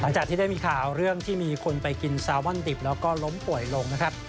หลังจากที่ได้มีข่าวเรื่องที่มีคนไปกินซามอนดิบแล้วก็ล้มป่วยลงนะครับ